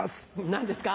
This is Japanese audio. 何ですか？